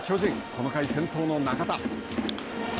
この回先頭の中田。